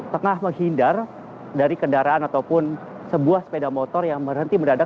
tengah menghindar dari kendaraan ataupun sebuah sepeda motor yang berhenti mendadak